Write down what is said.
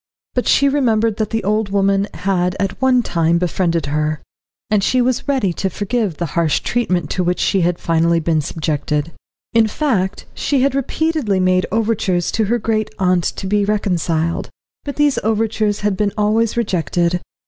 But she remembered that the old woman had at one time befriended her, and she was ready to forgive the harsh treatment to which she had finally been subjected. In fact, she had repeatedly made overtures to her great aunt to be reconciled, but these overtures had been always rejected.